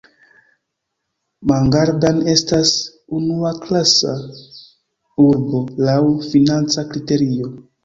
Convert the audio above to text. Mangaldan estas unuaklasa urbo laŭ financa kriterio.